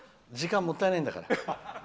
時間もったいないんだから。